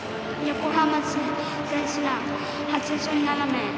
横浜市選手団、８７名。